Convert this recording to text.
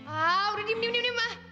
ah udah diem diem ma